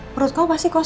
perut kamu pasti kosong